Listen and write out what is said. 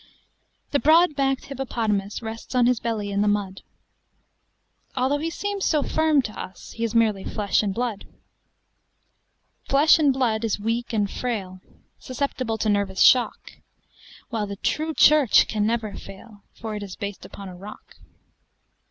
THE BROAD BACKED hippopotamusRests on his belly in the mud; Although he seems so firm to usHe is merely flesh and blood. Flesh and blood is weak and frail, Susceptible to nervous shock; While the True Church can never failFor it is based upon a rock.